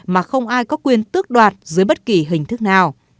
mà không ai có quyền tước đoạt dưới bất kỳ hình thức nào